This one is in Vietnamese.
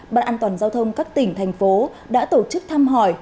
ban an toàn giao thông các tỉnh thành phố đã tổ chức thăm hỏi